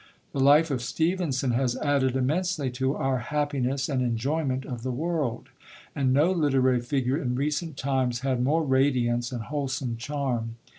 The life of Stevenson has added immensely to our happiness and enjoyment of the world, and no literary figure in recent times had more radiance and wholesome charm.